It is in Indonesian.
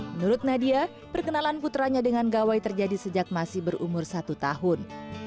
menurut nadia perkenalan putranya dengan gawai terjadi sejak masih berumur satu tahun